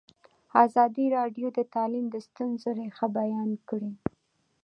ازادي راډیو د تعلیم د ستونزو رېښه بیان کړې.